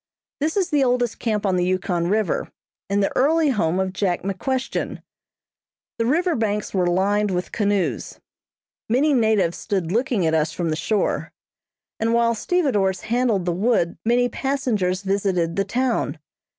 This is the oldest camp on the Yukon River, and the early home of Jack McQuestion. The river banks were lined with canoes; many natives stood looking at us from the shore, and while stevedores handled the wood, many passengers visited the town.